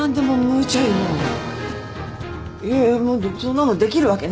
いやいやもうそんなのできるわけない。